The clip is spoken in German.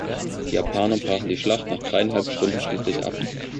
Die Japaner brachen die Schlacht nach dreieinhalb Stunden schließlich ab.